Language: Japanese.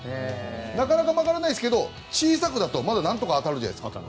なかなか曲がらないんですけど小さくだったらまだ、何とか当たるじゃないですか。